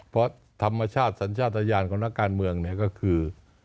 เพราะธรรมชาติสัญชาติยานของนักการเมืองเนี่ยก็คือ